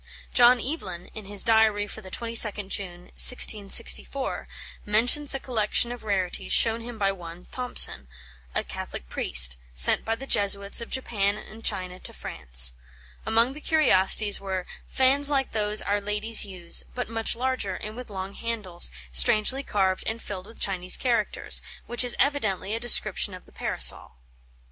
John Evelyn, in his Diary for the 22nd June, 1664, mentions a collection of rarities shown him by one Thompson, a Catholic priest, sent by the Jesuits of Japan and China to France. Among the curiosities were "fans like those our ladies use, but much larger, and with long handles, strangely carved and filled with Chinese characters," which is evidently a description of the Parasol.